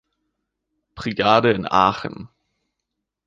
Brigade in Aachen.